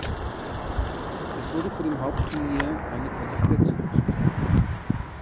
Es wurde vor dem Hauptturnier eine Qualifikation gespielt.